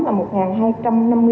là một đồng